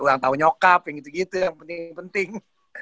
orang tahu nyokap yang gitu gitu yang penting penting